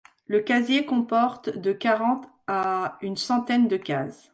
Le casier comporte de quarante à une centaine de cases.